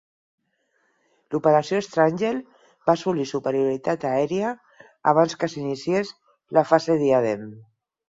L'operació Strangle va assolir superioritat aèria abans que s'iniciés la fase Diadem.